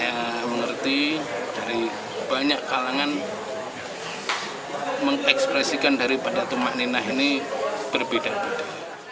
saya mengerti dari banyak kalangan mengekspresikan daripada tumah ninah ini berbeda beda